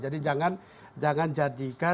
jadi jangan jadikan